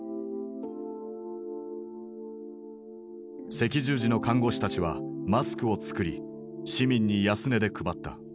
赤十字の看護師たちはマスクを作り市民に安値で配った。